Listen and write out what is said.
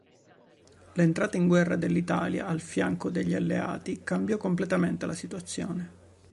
L'entrata in guerra dell'Italia al fianco degli alleati cambiò completamente la situazione.